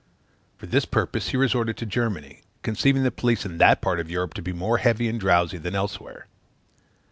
For this purpose he resorted to Germany, conceiving the police in that part of Europe to be more heavy and drowsy than elsewhere.